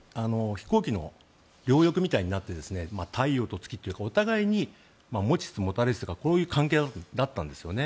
飛行機の両翼みたいになって太陽と月というかお互いに持ちつ持たれつというかこういう関係だったんですね。